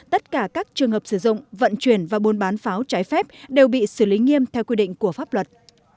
tất cả các trường hợp sử dụng vận chuyển và buôn bán pháo trái phép đều bị xử lý nghiêm theo quy định của pháp luật